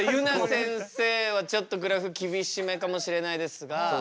せんせいはちょっとグラフ厳しめかもしれないですが。